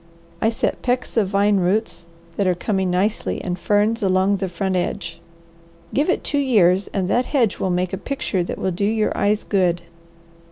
I set pecks of vine roots, that are coming nicely, and ferns along the front edge. Give it two years and that hedge will make a picture that will do your eyes good."